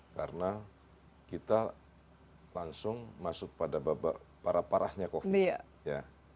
karena kita langsung masuk pada babak parah parahnya covid